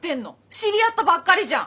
知り合ったばっかりじゃん！